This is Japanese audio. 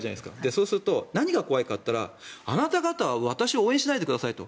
そうすると何が怖いかって言ったらあなた方は私を応援しないでくださいと。